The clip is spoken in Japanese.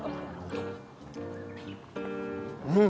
うん！